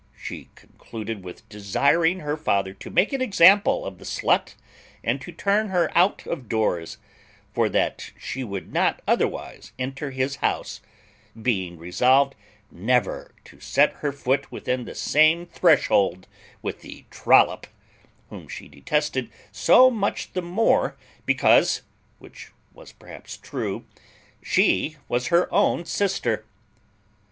She concluded with desiring her father to make an example of the slut, and to turn her out of doors; for that she would not otherwise enter his house, being resolved never to set her foot within the same threshold with the trollop, whom she detested so much the more because (which was perhaps true) she was her own sister.